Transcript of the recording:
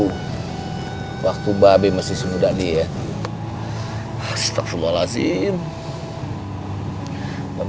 mbak be dikasih kesempatan mbak